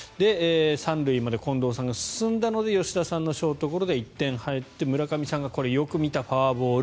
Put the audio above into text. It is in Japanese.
３塁まで近藤さんが進んだので吉田さんのショートゴロで１点入って村上さんがよく見たフォアボール。